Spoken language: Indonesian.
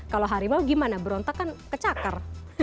kalau harimau gimana berontak kan kecakar